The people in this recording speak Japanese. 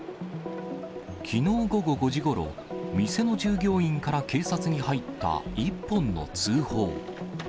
きのう午後５時ごろ、店の従業員から警察に入った一本の通報。